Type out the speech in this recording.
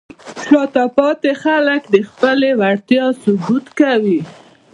شاته پاتې خلک د خپلې وړتیا ثبوت کوي.